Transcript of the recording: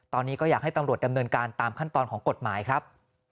ตอนนี้ก็อยากให้ตำรวจดำเนินการตามขั้นตอนของกฎหมายครับ